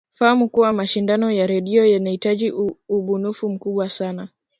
fahamu kuwa mashindano ya redio yanahitaji ubunifu mkubwa sana